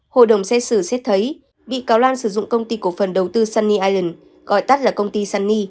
hội đồng xét xử xét thấy bị cáo lan sử dụng công ty cổ phần đầu tư sunny ireland gọi tắt là công ty sunny